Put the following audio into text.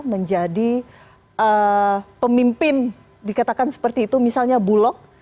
menjadi pemimpin dikatakan seperti itu misalnya bulog